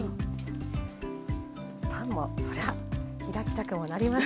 パンもそりゃ開きたくもなります。